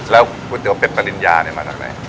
แล้วก๋วยเตี๋ยเป็ดปริญญาเนี่ยมาจากไหน